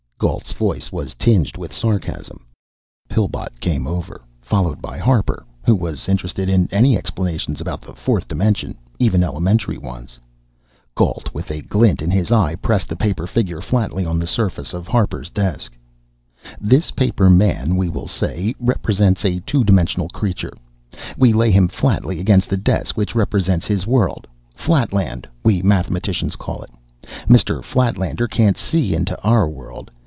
Gault's voice was tinged with sarcasm. Pillbot came over, followed by Harper, who was interested in any explanations about the fourth dimension even elementary ones.... Gault, with a glint in his eye, pressed the paper figure flatly on the surface of Harper's desk. "This paper man, we will say, represents a two dimensional creature. We lay him flatly against the desk, which represents his world Flatland, we mathematicians call it. Mr. Flatlander can't see into our world.